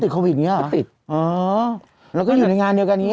ก็ติดแล้วขึ้นอยู่ในงานเดียวกันนี้